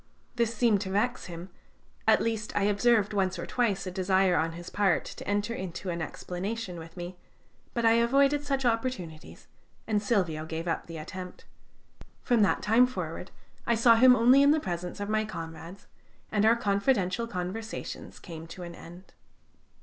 This seemed to vex him; at least I observed once or twice a desire on his part to enter into an explanation with me, but I avoided such opportunities, and Silvio gave up the attempt. From that time forward I saw him only in the presence of my comrades, and our confidential conversations came to an end.